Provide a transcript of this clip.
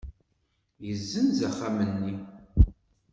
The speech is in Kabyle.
Yessenz axxam-nni?